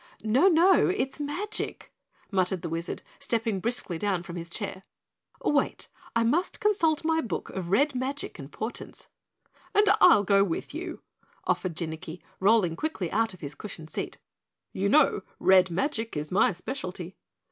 "No, no, it's MAGIC!" muttered the Wizard, stepping briskly down from his chair. "Wait, I must consult my book of red magic and portents." "And I'll go with you," offered Jinnicky, rolling quickly out of his cushioned seat. "You know RED magic is my specialty."